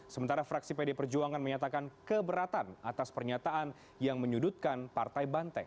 sementara fraksi pd perjuangan menyatakan keberatan atas pernyataan yang menyudutkan partai banteng